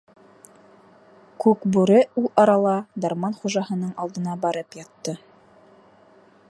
Күкбүре ул арала дарман хужаһының алдына барып ятты.